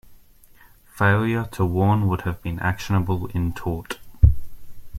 Failure to warn would have been actionable in tort.